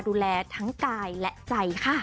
เพราะว่ามีเพื่อนซีอย่างน้ำชาชีระนัทอยู่เคียงข้างเสมอค่ะ